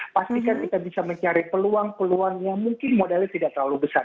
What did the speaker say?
pastikan kita bisa mencari peluang peluang yang mungkin modalnya tidak terlalu besar